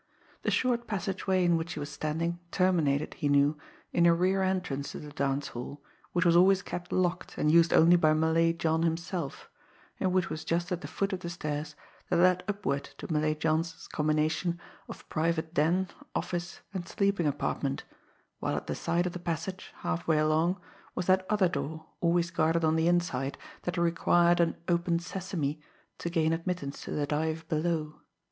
The short passageway in which he was standing terminated, he knew, in a rear entrance to the dance hall, which was always kept locked and used only by Malay John himself, and which was just at the foot of the stairs that led upward to Malay John's combination of private den, office, and sleeping apartment; while at the side of the passage, half way along, was that other door, always guarded on the inside, that required an "open sesame" to gain admittance to the dive below.